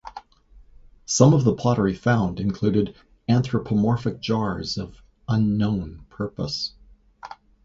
Some of the pottery found included anthropomorphic jars of unknown purpose.